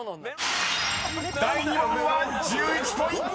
［第２問は１１ポイント！］